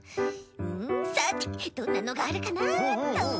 さてどんなのがあるかなっと。